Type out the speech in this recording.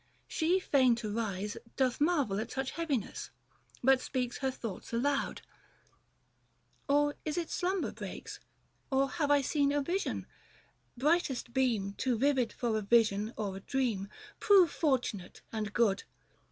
She fain to rise i )oth marvel, at such heaviness, but speaks Pier thoughts aloud :—" Or is it slumber breaks, Or have I seen a vision? Brightest beam Too vivid for a vision or a dream 30 Prove fortunate and good